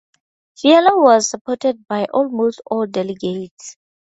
Fiala was supported by almost all delegates.